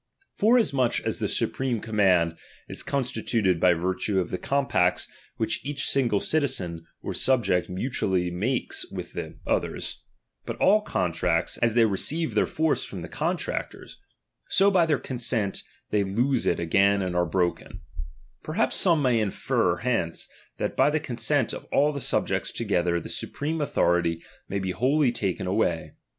Forasmuch as the supreme command is con Th^t Blitnted by virtue of the compacts which each ^not^^riKW angle citizen or subject mutually makes with tjie'"'^™'"'''^' DOMINION. CHAP. VI. Other ; but all contracts, aa they receive their force thdr ranse^u ^""^^^^^ coiitractors, so by their cousent they lose bj ho™ coin it again and are broken : perhaps some may infer ttituuii'"""^ hence, that by the consent of all the subjects to gether the supreme authority may be wholly taken away.